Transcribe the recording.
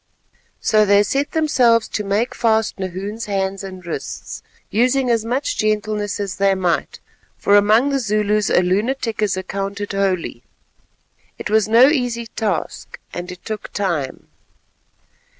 So they set themselves to make fast Nahoon's hands and wrists, using as much gentleness as they might, for among the Zulus a lunatic is accounted holy. It was no easy task, and it took time.